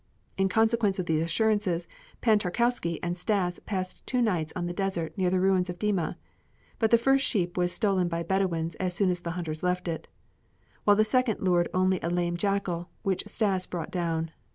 In consequence of these assurances Pan Tarkowski and Stas passed two nights on the desert near the ruins of Dima. But the first sheep was stolen by Bedouins as soon as the hunters left it; while the second lured only a lame jackal, which Stas brought down.